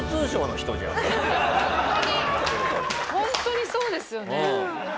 ホントにホントにそうですよね。